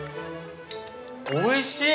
おいしい！